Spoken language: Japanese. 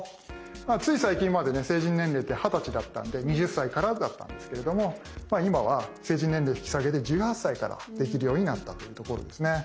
つい最近までね成人年齢って二十歳だったんで２０歳からだったんですけれども今は成人年齢引き下げで１８歳からできるようになったというところですね。